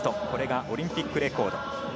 これがオリンピックレコード。